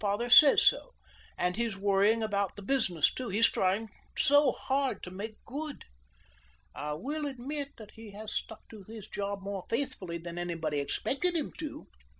Father says so. And he's worrying about the business, too. He's trying so hard to make good." "I will admit that he has stuck to his job more faithfully than anybody expected him to."